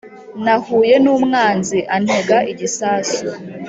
Nahuye n’umwanzi antega igisasu